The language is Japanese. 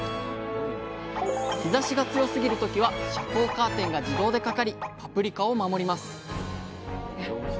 日ざしが強すぎる時は遮光カーテンが自動でかかりパプリカを守ります。